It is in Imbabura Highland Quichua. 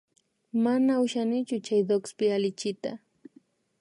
Mana ushanichu chay DOCSpi allichiyta